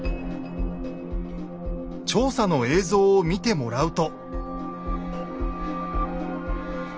調査の映像を見てもらうと。